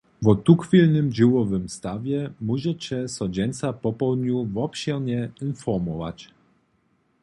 Wo tuchwilnym dźěłowym stawje móžeće so dźensa popołdnju wobšěrnje informować.